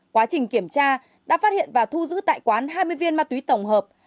quá trình kiểm tra đã phát hiện và thu giữ tại quán hai mươi viên ma túy tổng hợp